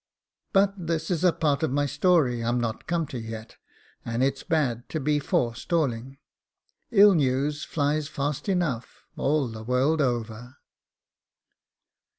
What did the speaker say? But this is a part of my story I'm not come to yet, and it's bad to be forestalling: ill news flies fast enough all the world over.